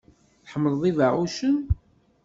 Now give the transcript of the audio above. Tḥemmleḍ ibeɛɛucen?